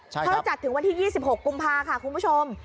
เขาจัดถึงวันที่๒๖กุมภาค่ะคุณผู้ชม